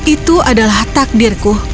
itu adalah takdirku